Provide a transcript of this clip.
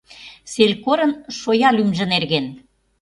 СЕЛЬКОРЫН ШОЯ ЛӰМЖӦ НЕРГЕН